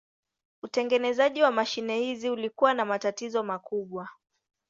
Utengenezaji wa mashine hizi ulikuwa na matatizo makubwa.